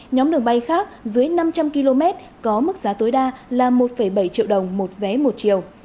nhóm đường bay khác dưới năm trăm linh km có mức giá tối đa là một bảy triệu đồng một vé một chiều